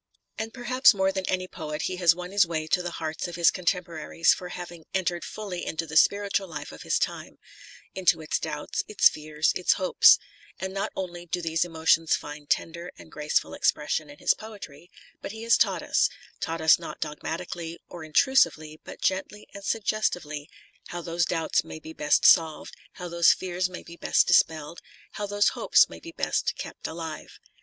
And more perhaps than any poet has he won his way to the hearts of his contemporaries for having entered fully into the spiritual life of his time — ^into its doubts, its fears, its hopes ; and not only do these emotions find tender and graceful expression in his poetry, but he has taught us, taught us not dogmatically or intru sively, but gently and suggestively, how those doubts may be best solved, how those fears may be best dispelled, how those hopes may be best TENNYSON 251 kept alive.